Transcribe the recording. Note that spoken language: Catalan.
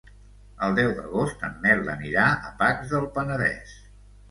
El deu d'agost en Nel anirà a Pacs del Penedès.